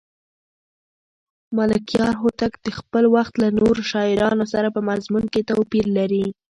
ملکیار هوتک د خپل وخت له نورو شاعرانو سره په مضمون کې توپیر لري.